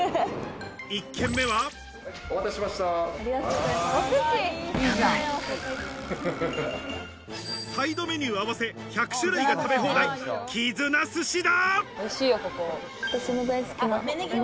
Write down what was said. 一軒目は、サイドメニューを合わせ、１００種類が食べ放題、きづなすしだ！